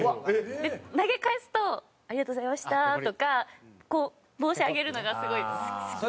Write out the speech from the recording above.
投げ返すと「ありがとうございました」とかこう帽子上げるのがすごい好きでした。